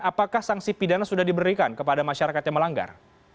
apakah sanksi pidana sudah diberikan kepada masyarakat yang melanggar